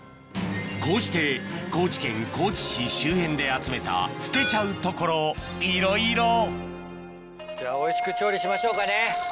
こうして高知県高知市周辺で集めた捨てちゃうところいろいろやって行きましょう。